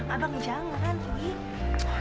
abang jangan i